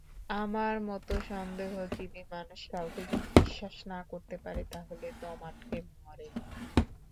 আমার মতো সন্দেহজীবী মানুষ কাউকে যদি বিশ্বাস না করতে পারে তাহলে দম আটকে মরে।